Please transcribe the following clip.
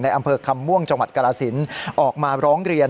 อำเภอคำม่วงจังหวัดกรสินออกมาร้องเรียน